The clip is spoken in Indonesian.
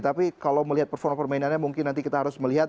tapi kalau melihat performa permainannya mungkin nanti kita harus melihat